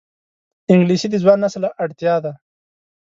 انګلیسي د ځوان نسل اړتیا ده